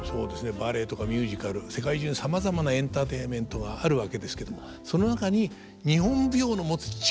バレエとかミュージカル世界中にさまざまなエンターテインメントがあるわけですけどもその中に日本舞踊の持つ力